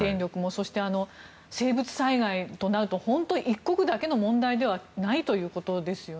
そして、生物災害となると本当に一国だけの問題ではないということですよね。